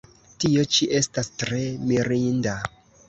Tio ĉi estas tre mirinda!